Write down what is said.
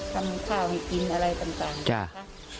ข้ามันสามารถซึ่งตัวหรือไม่ได้